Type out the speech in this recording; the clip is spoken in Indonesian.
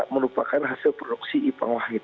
menupakan hasil produksi ibang wahid